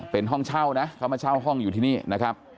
เป็นห้องเช่านะเขามาเช่าห้องอยู่ที่นี่นะครับ